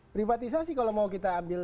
privatisasi kalau mau kita ambil